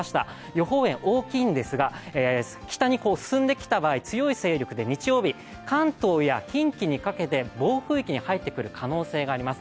予報円、大きいんですが、北に進んできた場合、強い勢力で日曜日、関東や近畿にかけて暴風域に入ってくる可能性もあります。